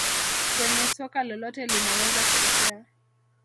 Kwenye soka lolote linaweza kutokea